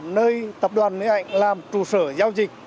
nơi tập đoàn nguyễn anh làm trụ sở giao dịch